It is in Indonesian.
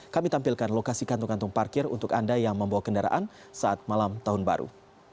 kami tampilkan lokasi kantong kantong parkir untuk anda yang membawa kendaraan saat malam tahun baru